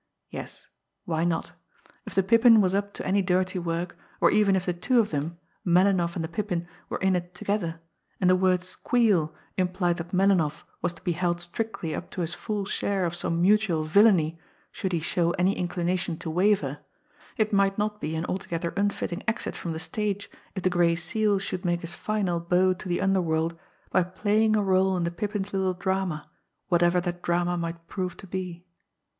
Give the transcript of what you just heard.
Yes, why not? If the Pippin was up to any dirty work, or even if the two of them, Melinoff and the Pippin, were in it together, and the word "squeal" implied that Melinoff was to be held strictly up to his full share of some mutual villainy should he show any inclination to waver, it might not be an altogether unfitting exit from the stage if the Gray Seal should make his final bow to the underworld by playing a role in the Pippin's little drama, whatever that drama might prove to be!